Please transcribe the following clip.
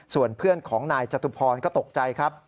ส่วนเพื่อนของนายจตุพรก็ตกใจครับ